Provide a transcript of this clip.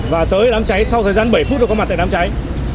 và tới đám cháy sau thời gian bảy phút rồi có mặt tại đám cháy